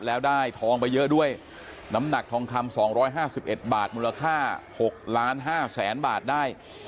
แล้วได้ทองไปเยอะด้วยน้ำหนักทองคำ๒๕๑บาทมูลค่า๖ล้าน๕แสนบาทได้